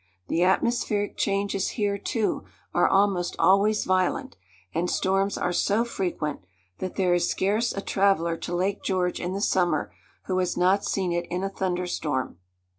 The atmospheric changes here, too, are almost always violent; and storms are so frequent, that there is scarce a traveller to Lake George in the summer who has not seen it in a thunder storm.